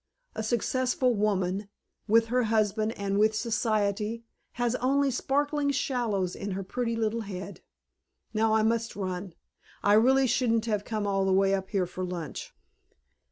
A successful woman with her husband and with Society has only sparkling shallows in her pretty little head. Now, I must run. I really shouldn't have come all the way up here for lunch."